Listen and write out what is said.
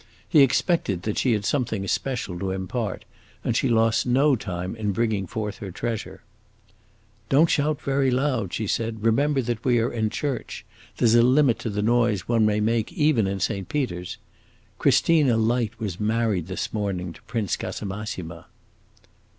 He expected that she had something especial to impart, and she lost no time in bringing forth her treasure. "Don't shout very loud," she said, "remember that we are in church; there 's a limit to the noise one may make even in Saint Peter's. Christina Light was married this morning to Prince Casamassima."